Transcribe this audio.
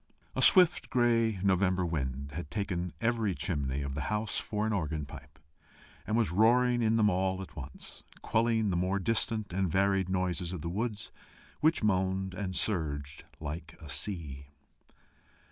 A swift, gray November wind had taken every chimney of the house for an organ pipe, and was roaring in them all at once, quelling the more distant and varied noises of the woods, which moaned and surged like a sea.